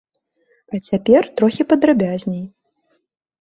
А цяпер трохі падрабязней.